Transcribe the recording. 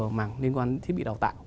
vào mảng liên quan thiết bị đào tạo